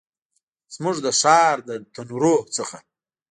زموږ د ښار د تنورونو څخه